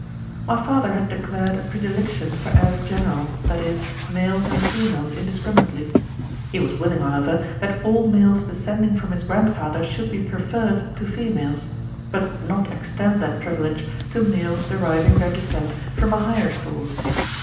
My father had declared a predilection for heirs general, that is, males and females indiscriminately. He was willing, however, that all males descending from his grandfather should be preferred to females; but would not extend that privilege to males deriving their descent from a higher source.